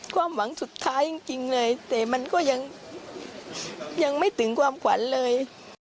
ความหวังสุดท้ายจริงเลยแต่มันก็ยังไม่ถึงความขวัญเลย